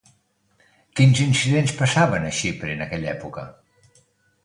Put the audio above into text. Quins incidents passaven a Xipre en aquella època?